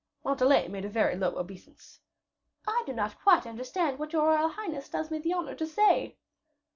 Montalais made a very low obeisance. "I do not quite understand what your royal highness does me the honor to say."